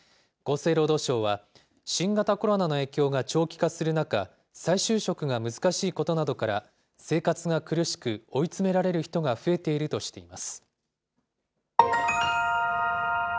厚生労働省は、新型コロナの影響が長期化する中、再就職が難しいことなどから、生活が苦しく、追い詰められる人が増えているとしています。